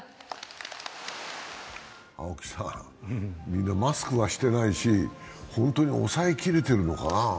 みんなマスクをしてないし、本当に抑えきれてるのかな。